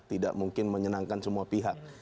tidak mungkin menyenangkan semua pihak